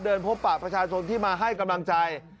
พบปากประชาชนที่มาให้กำลังใจ